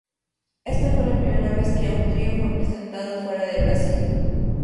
Esa fue la primera vez que un trío fue presentado fuera de Brasil.